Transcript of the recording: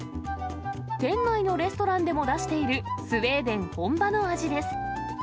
店内のレストランでも出しているスウェーデン本場の味です。